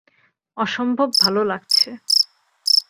অসম্ভব ভালো লাগছে।